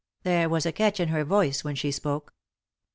There was a catch in her voice when she spoke.